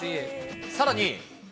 さらに。